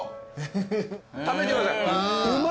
食べてくださいうまい。